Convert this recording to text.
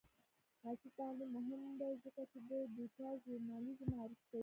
عصري تعلیم مهم دی ځکه چې د ډاټا ژورنالیزم معرفي کوي.